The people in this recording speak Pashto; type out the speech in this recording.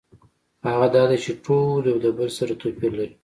هغه دا دی چې ټول یو د بل سره توپیر لري.